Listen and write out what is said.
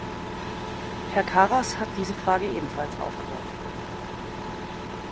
Herr Karas hat diese Frage ebenfalls aufgeworfen.